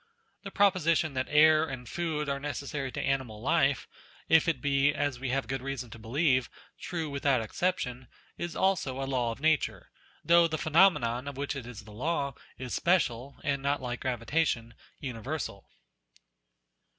The proposition that air and food are neces sary to animal life, if it be as we have good reason to believe, true without exception, is also a law of nature, though the phenomenon of which it is the law is special, and not, like gravitation, universal.